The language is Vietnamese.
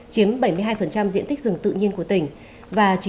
chiếm bảy mươi hai diện tích rừng tự nhiên của tỉnh